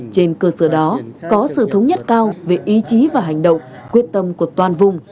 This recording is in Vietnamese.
trên cơ sở đó có sự thống nhất cao về ý chí và hành động quyết tâm của toàn vùng